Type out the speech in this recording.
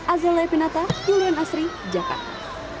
azalea pinata julian asri jakarta